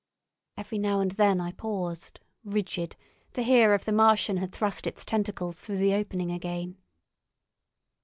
Every now and then I paused, rigid, to hear if the Martian had thrust its tentacles through the opening again.